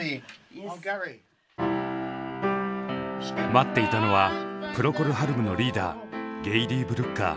待っていたのはプロコル・ハルムのリーダーゲイリー・ブルッカー。